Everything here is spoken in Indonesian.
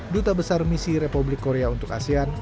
duta besar misi republik korea untuk asean